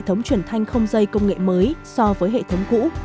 hệ thống truyền thanh không dây công nghệ mới so với hệ thống cũ